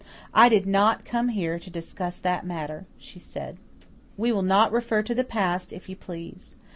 "I did not come here to discuss that matter," she said. "We will not refer to the past, if you please.